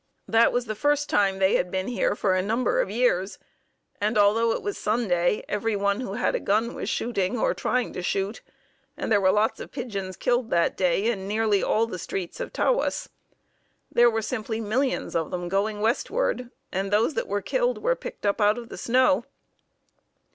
That was the first time they had been here for a number of years, and, although it was Sunday, everyone who had a gun was shooting or trying to shoot, and there were lots of pigeons killed that day in nearly all the streets of Tawas. There were simply millions of them going westward, and those that were killed were picked up out of the snow.